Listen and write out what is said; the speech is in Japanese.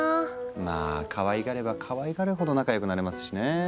まあかわいがればかわいがるほど仲良くなれますしね。